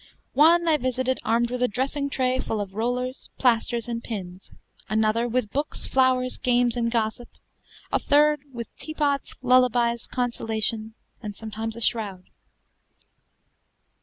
One I visited armed with a dressing tray full of rollers, plasters, and pins; another, with books, flowers, games, and gossip; a third, with teapots, lullabies, consolation, and sometimes a shroud.